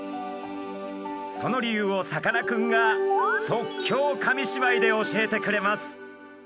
その理由をさかなクンが即興紙芝居で教えてくれます。